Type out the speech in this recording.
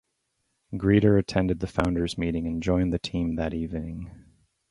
Grieder attended the founders meeting and joined the team that evening.